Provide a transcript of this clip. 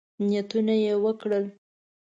نیتونه یې وکړل.